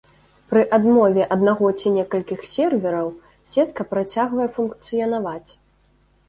Пры адмове аднаго ці некалькіх сервераў, сетка працягвае функцыянаваць.